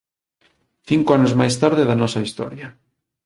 Cinco anos máis tarde da nosa historia.